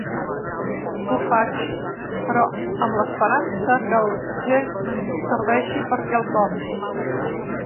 Ho faig, però, amb l'esperança que el gest serveixi per quelcom.